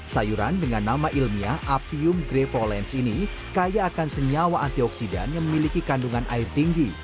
sayuran dengan nama ilmiah apium grevollence ini kaya akan senyawa antioksidan yang memiliki kandungan air tinggi